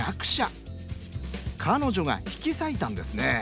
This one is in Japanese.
彼女が引き裂いたんですね。